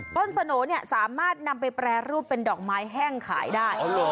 สโนสามารถนำไปแปรรูปเป็นดอกไม้แห้งขายได้